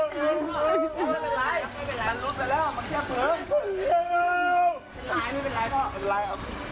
เป็นไรบ้างเนี่ย